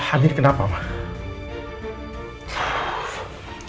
alin kenapa pak